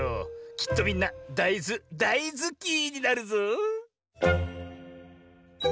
きっとみんなだいず「だいずき」になるぞ。